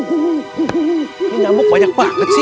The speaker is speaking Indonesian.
hmm ini nyamuk banyak banget sih